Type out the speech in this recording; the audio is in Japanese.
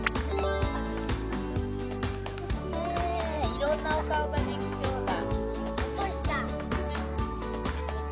いろんなお顔ができそうだ。